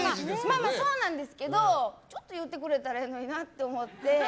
まあまあそうなんですけどちゃんと言ってくれたらええのになと思って。